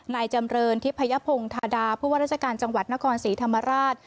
นายจำเรินทิพยพงธาดาผู้ว่าราชการจังหวัดนครศรีธรรมราช